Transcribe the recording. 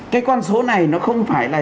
cái con số này nó không phải là